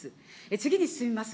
次に進みます。